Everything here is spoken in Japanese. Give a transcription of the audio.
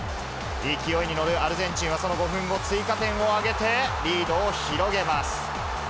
勢いに乗るアルゼンチンはその５分後、追加点を挙げて、リードを広げます。